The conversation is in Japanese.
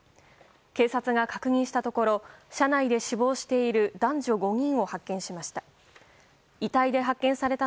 警察が確認したところ車内で死亡している男女５人を発見しました。